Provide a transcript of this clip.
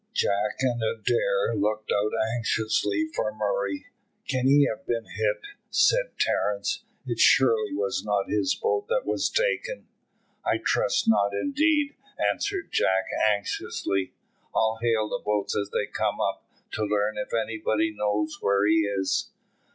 Jack and Adair looked out anxiously for Murray. "Can he have been hit?" said Terence. "It surely was not his boat that was taken." "I trust not indeed," answered Jack, anxiously. "I'll hail the boats as they come up, to learn if anybody knows where he is."